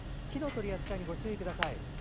火の取り扱いにご注意ください。